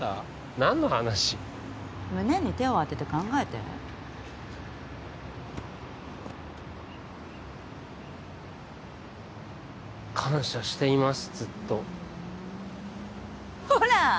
何の話胸に手を当てて考えて感謝しています